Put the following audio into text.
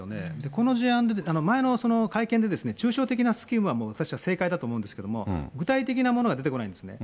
この事案で、前の会見でですね、抽象的なスキームは私は正解だと思うんですけど、具体的なものが出てこないんですね。